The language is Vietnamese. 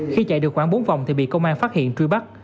khi chạy được khoảng bốn vòng thì bị công an phát hiện truy bắt